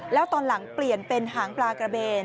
แล้วตอนหลังเปลี่ยนเป็นหางปลากระเบน